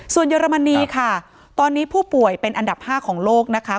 ส่วนเยอรมนีค่ะตอนนี้ผู้ป่วยเป็นอันดับ๕ของโลกนะคะ